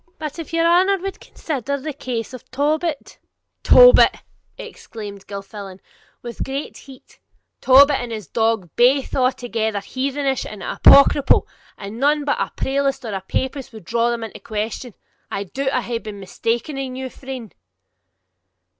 'But if your honour wad consider the case of Tobit ' 'Tobit!' exclaimed Gilffflan, with great heat; 'Tobit and his dog baith are altogether heathenish and apocryphal, and none but a prelatist or a papist would draw them into question. I doubt I hae been mista'en in you, friend.'